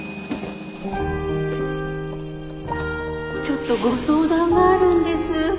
ちょっとご相談があるんです。